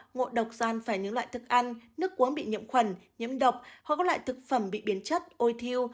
ngộ độc doan phải những loại thức ăn nước uống bị nhiễm khuẩn nhiễm độc hoặc các loại thực phẩm bị biến chất ôi thiêu